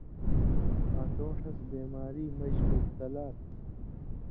آں کؤں ݜَس بیماری مژ مُبتلا تُھو